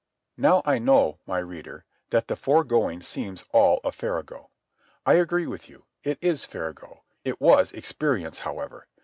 Now I know, my reader, that the foregoing seems all a farrago. I agree with you. It is farrago. It was experience, however.